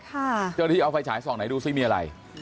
เจ้าหน้าที่เอาไฟฉายส่องไหนดูซิมีอะไร